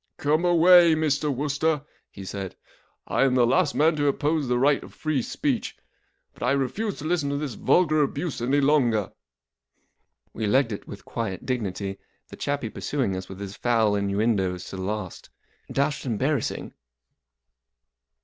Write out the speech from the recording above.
44 Come away,' Mr. Wooster," he said. 44 I am the last man to oppose the right of free speech, but I refuse to listen to this vulgar abuse any longer." We legged it with quiet dignity, the chappie pursuing us with his foul innuendoes to the last. Dashed embarrassing.